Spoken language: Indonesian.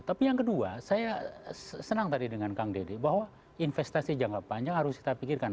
tapi yang kedua saya senang tadi dengan kang dede bahwa investasi jangka panjang harus kita pikirkan